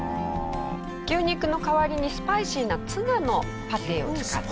牛肉の代わりにスパイシーなツナのパティを使っています。